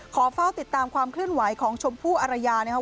เฝ้าติดตามความเคลื่อนไหวของชมพู่อรยานะครับ